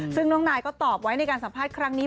ซึ่งน้องนายก็ตอบไว้ในการสัมภาษณ์ครั้งนี้